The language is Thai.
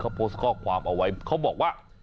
เขาโพสต์ข้อความเอาไว้เขาบอกว่า